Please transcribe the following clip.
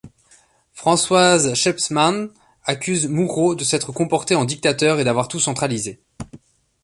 Françoise Schepmans accuse Moureaux de s'être comporté en dictateur et d'avoir tout centralisé.